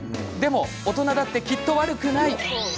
でも大人だってきっと悪くない！